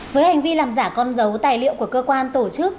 với hành vi làm giả con dấu tài liệu của cơ quan tổ chức